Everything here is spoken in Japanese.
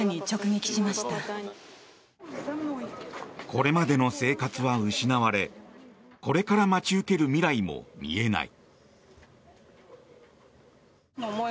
これまでの生活は失われこれから待ち受ける未来も見えない。